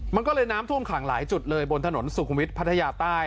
มันก็เลยน้ำท่วมขังหลายจุดเลยบนถนนสุขุมวิทย์พัทยาใต้